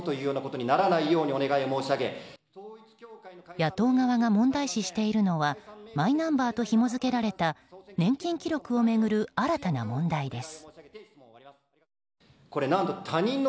野党側が問題視しているのはマイナンバーとひもづけられた年金記録を巡る新たな問題です。